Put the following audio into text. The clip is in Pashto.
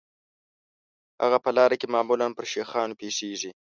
هغه په لاره کې معمولاً پر شیخانو پیښیږي.